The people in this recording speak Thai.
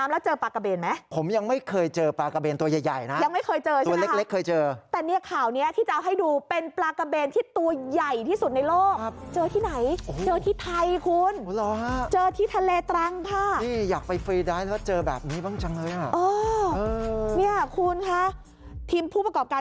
รู้ว่าคุณชอบดำน้ำ